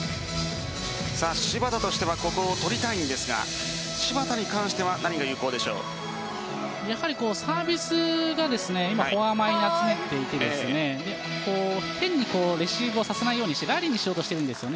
芝田としてはここを取りたいんですが芝田に関してはやはりサービスが今フォア前に集めていて変にレシーブをさせないようにしてラリーにしようとしています。